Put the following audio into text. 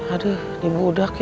aduh dibudak ya